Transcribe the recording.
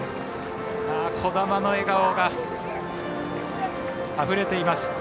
兒玉の笑顔があふれています。